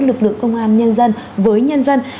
lực lượng công an nhân dân với nhân dân